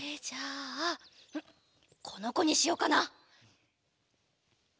じゃあこのこにしようかな。